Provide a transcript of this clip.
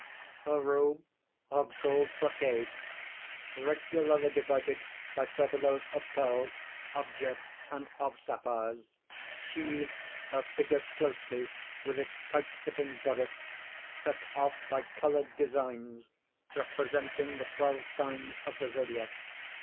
_ _Her robe of gold brocade, regularly divided by furbelows of pearls, of jet, and of sapphires, sheaths her figure closely with its tight fitting bodice, set off by colored designs representing the twelve signs of the Zodiac.